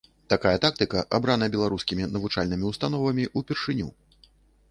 Такая тактыка абрана беларускімі навучальнымі ўстановамі ўпершыню.